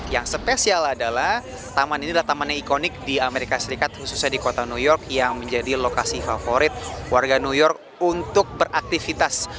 yang spesial adalah taman ini adalah taman yang ikonik di amerika serikat khususnya di kota new york yang menjadi lokasi favorit warga new york untuk beraktivitas